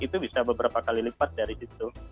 itu bisa beberapa kali lipat dari situ